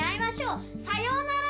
さようなら。